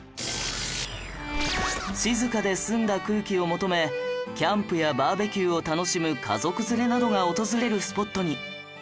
静かで澄んだ空気を求めキャンプやバーベキューを楽しむ家族連れなどが訪れるスポットに